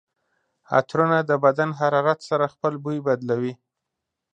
عطرونه د بدن حرارت سره خپل بوی بدلوي.